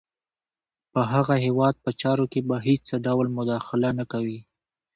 په هغه هیواد په چارو کې به هېڅ ډول مداخله نه کوي.